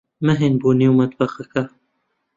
مەھێن بۆ نێو مەتبەخەکە.